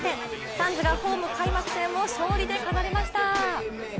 サンズがホーム開幕戦を勝利で飾りました。